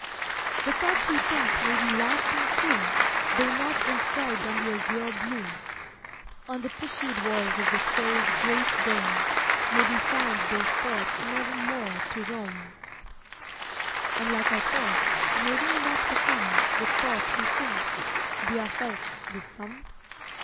The thoughts we think may be lasting, too, Though not inscribed on the azure blue; On the tissued walls of the soul's great dome, May be found those thoughts ne'er more to roam. And like our thoughts, may we not become The thought we think, be ourselves the sum?